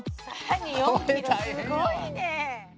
すごいね！」